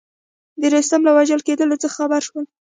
د رستم له وژل کېدلو څخه خبر شول.